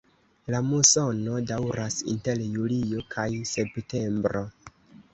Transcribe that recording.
La musono daŭras inter julio kaj septembro.